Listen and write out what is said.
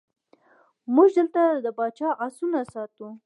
موږ دلته د پاچا آسونه ساتو.